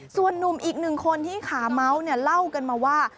ส่วนนุ่มอีกหนึ่งคนที่ขาเมาส์เนี่ยเล่ากันมาว่า